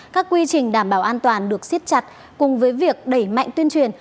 các quy trình đảm bảo an toàn được siết chặt cùng với việc đẩy mạnh tuyên truyền